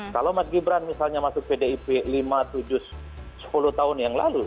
kalau mas gibran misalnya masuk pdip lima tujuh sepuluh tahun yang lalu